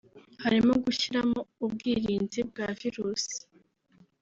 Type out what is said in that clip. harimo gushyiramo ubwirinzi bwa virusi